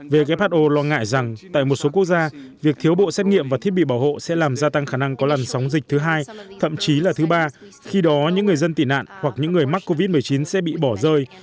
who lo ngại rằng tại một số quốc gia việc thiếu bộ xét nghiệm và thiết bị bảo hộ sẽ làm gia tăng khả năng có làn sóng dịch thứ hai thậm chí là thứ ba khi đó những người dân tị nạn hoặc những người mắc covid một mươi chín sẽ bị bỏ rơi